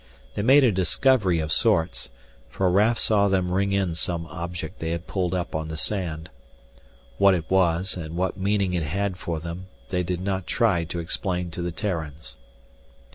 They made a discovery of sorts, for Raf saw them ring in some object they had pulled up on the sand. What it was and what meaning it had for them they did not try to explain to the Terrans.